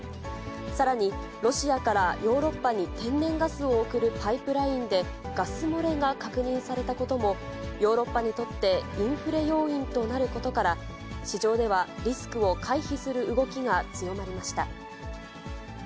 さらにロシアからヨーロッパに天然ガスを送るパイプラインでガス漏れが確認されたことも、ヨーロッパにとってインフレ要因となることから、市場ではリスクを回避する動きが強まりました。